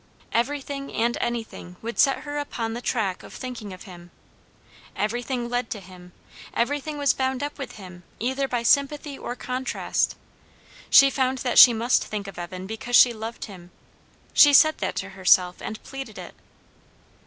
Everything and anything would set her upon the track of thinking of him; everything led to him; everything was bound up with him, either by sympathy or contrast. She found that she must think of Evan, because she loved him. She said that to herself, and pleaded it.